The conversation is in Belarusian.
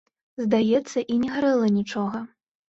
Здаецца, і не гарэла нічога.